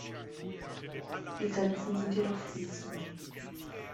Die Grenzen sind jedoch fließend.